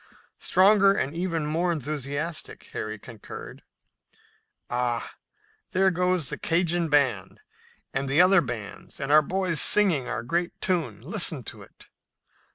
"Stronger and even more enthusiastic," Harry concurred. "Ah, there goes the Cajun band and the other bands and our boys singing our great tune! Listen to it!"